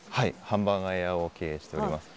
ハンバーガー屋を経営しております。